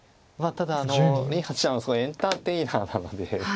ただ林八段はすごいエンターテイナーなので。